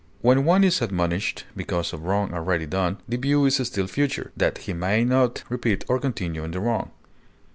When one is admonished because of wrong already done, the view is still future, that he may not repeat or continue in the wrong.